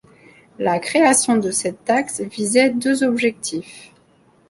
La création de cette taxe visait deux objectifs.